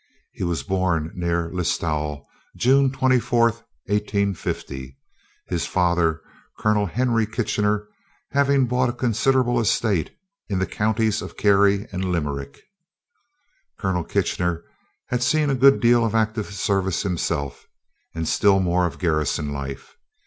He was born near Listowel, June 24, 1850, his father, Colonel Henry Kitchener, having bought a considerable estate in the counties of Kerry and Limerick. Colonel Kitchener had seen a good deal of active service himself, and still more of garrison life.